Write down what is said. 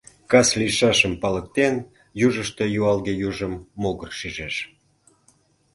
Кас лийшашым палыктен, южышто юалге южым могыр шижеш.